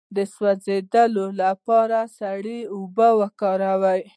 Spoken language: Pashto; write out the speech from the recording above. د سوځیدو لپاره سړې اوبه وکاروئ